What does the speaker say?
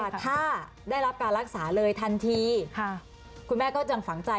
ถ้าได้รับการรักษาเลยทันทีค่ะคุณแม่ก็ยังฝังใจ